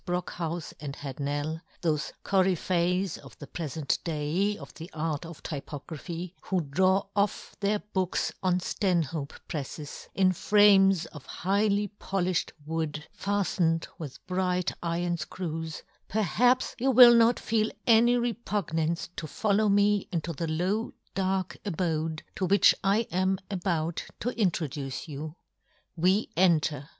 Brockhaus and Hadnel, thofe coryphees of the prefent day of the art of typography, who draw off" their books on Stanhope prefixes, in frames of highly poUfhed wood, faftened with bright iron fcrews, per haps you will not feel any repugnance to follow me into the low dark abode to which I am about to introduce you. We enter.